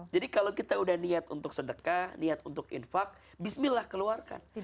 jadi kalau kita sudah niat untuk sedekah niat untuk infak bismillah keluarkan